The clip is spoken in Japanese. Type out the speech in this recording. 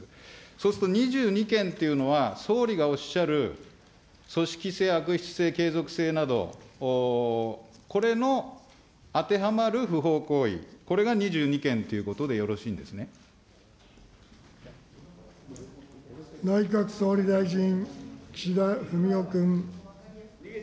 そうすると２２件というのは総理がおっしゃる組織性、悪質性、継続性など、これの当てはまる不法行為、これが２２件ということで内閣総理大臣、岸田文雄君。